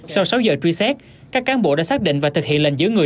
sau sáu giờ truy xét các cán bộ đã xác định và thực hiện lệnh giữ người